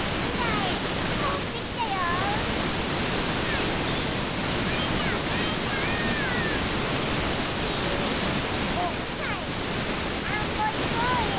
えおきがえしておさんぽいこうよ！